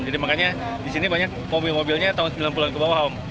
jadi makanya di sini banyak mobil mobilnya tahun sembilan puluh an ke bawah